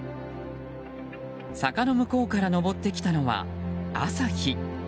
坂の向こうから昇ってきたのは朝日。